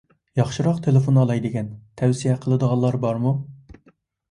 ياخشىراق تېلېفون ئالاي دېگەن. تەۋسىيە قىلىدىغانلار بارمۇ؟